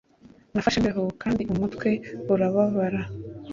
Nafashe imbeho kandi umutwe urababara.